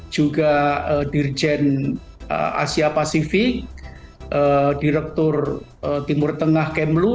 juga dirjen asia pasifik direktur timur tengah kemlu